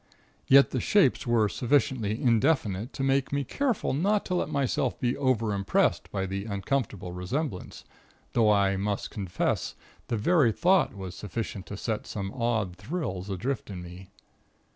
Yet, the shapes were sufficiently indefinite to make me careful not to let myself be overimpressed by the uncomfortable resemblance, though I must confess, the very thought was sufficient to set some odd thrills adrift in me.